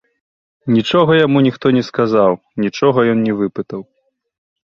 Нічога яму ніхто не сказаў, нічога ён не выпытаў.